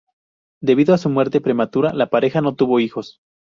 Debido a su muerte prematura, la pareja no tuvo hijos.